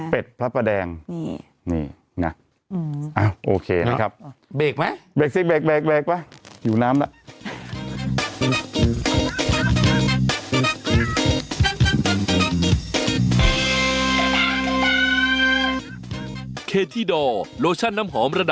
เป็ดพระประแดงนี่ไงเป็ดพระประแดงนี่นี่นี่ไงโอเคนะครับ